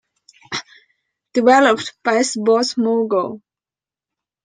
Developed by Sports Mogul.